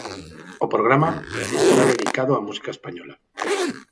O programa estará dedicado á música española.